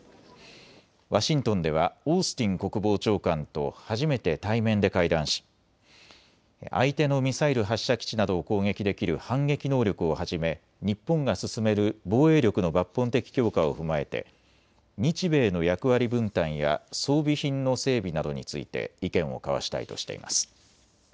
ワシントンではオースティン国防長官と初めて対面で会談し相手のミサイル発射基地などを攻撃できる反撃能力をはじめ日本が進める防衛力の抜本的強化を踏まえて日米の役割分担や装備品の整備などについて意見を交わしたいとしています。